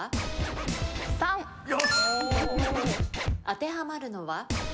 当てはまるのは？